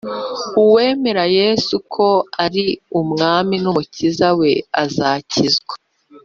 uwemera Yesu ko ari Umwami n Umukiza we azakizwa